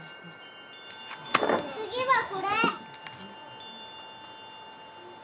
次はこれ！